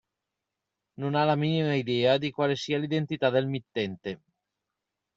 Non ha la minima idea di quale sia l'identità del mittente.